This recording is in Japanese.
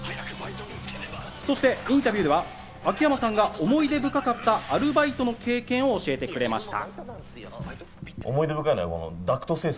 そしてインタビューでは秋山さんが思い出深かったアルバイトの経験を教えてくれました。